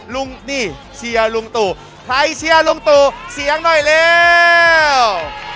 ลุงนี่เชียร์ลุงตู่ใครเชียร์ลุงตู่เสียงหน่อยเร็ว